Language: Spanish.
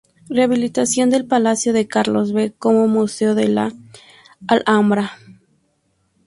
Rehabilitación del Palacio de Carlos V como Museo de la Alhambra.